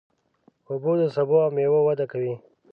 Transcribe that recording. اوبه د سبو او مېوو وده کوي.